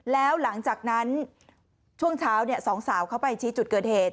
แล้วหลังจากนั้นช่วงเช้าสองสาวเขาไปชี้จุดเกิดเหตุ